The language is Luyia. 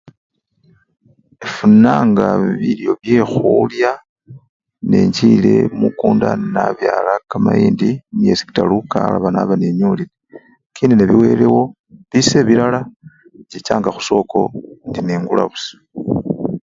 Ifunanga bilyo byekhulya nechile emukunda nabyala kamayindi kimyesi kitaru naba nenyolile, lakini nebiwelewo, bise bilala, inchichanga khusoko indi nengula busa.